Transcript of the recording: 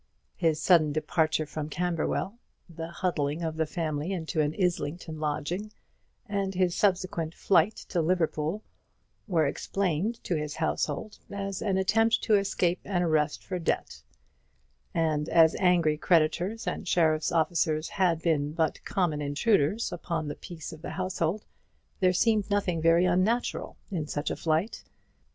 His sudden departure from Camberwell, the huddling of the family into an Islington lodging, and his subsequent flight to Liverpool, were explained to his household as an attempt to escape an arrest for debt; and as angry creditors and sheriffs' officers had been but common intruders upon the peace of the household, there seemed nothing very unnatural in such a flight.